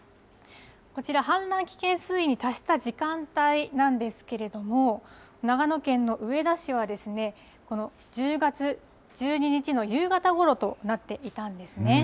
こちら、氾濫危険水位に達した時間帯なんですけれども、長野県の上田市は、この１０月１２日の夕方ごろとなっていたんですね。